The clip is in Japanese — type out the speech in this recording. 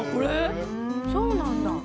そうなんだ